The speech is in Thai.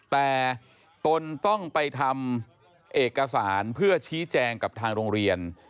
แต่ตนต้องไปทำเอกสารเพื่อชี้แจงกับทางโรงเรียน